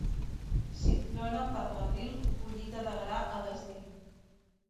Si trona per l'abril, collita de gra a desdir.